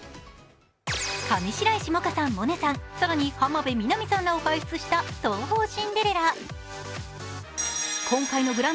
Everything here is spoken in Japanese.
上白石萌歌さん、萌音さん、更に浜辺美波さんらを輩出した東宝シンデレラ。